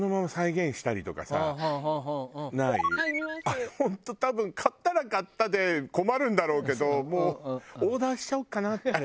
あれ本当多分買ったら買ったで困るんだろうけどもうオーダーしちゃおうかなって。